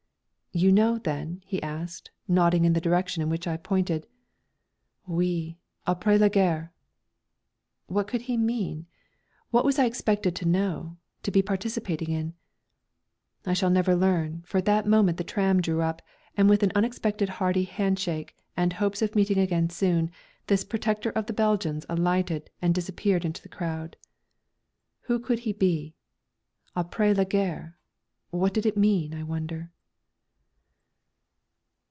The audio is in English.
"You know, then?" he asked, nodding in the direction in which I pointed. "Oui! Après la guerre." What could he mean? What was I expected to know, to be participating in? I shall never learn; for at that moment the tram drew up, and with an unexpectedly hearty handshake and hopes of meeting again soon, this protector of the Belgians alighted and disappeared into the crowd. Who could he be? "Après la guerre" what did it mean? I wonder.